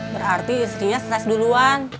berarti istrinya stres duluan